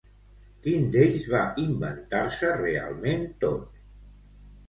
Quin d'ells va inventar-se realment tot?